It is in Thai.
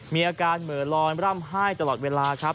มีอาการเหมือนลอยร่ำไห้ตลอดเวลาครับ